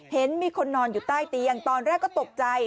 เห็นมีคนนอนอยู่ใต้เตียงตอนแรกก็ตกใจ